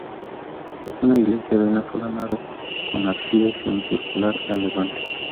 Es una iglesia de una sola nave, con ábside semicircular a levante.